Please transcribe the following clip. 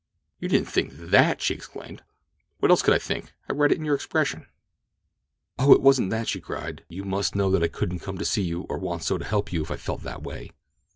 "You didn't think that?" she exclaimed. "What else could I think? I read it in your expression." "Oh, it wasn't that," she cried. "You must know that I couldn't come to see you, or want so to help you, if I felt that way!"